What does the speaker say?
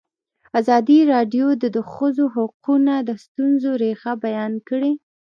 ازادي راډیو د د ښځو حقونه د ستونزو رېښه بیان کړې.